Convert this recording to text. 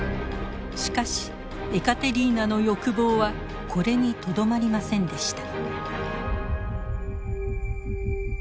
しかしエカテリーナの欲望はこれにとどまりませんでした。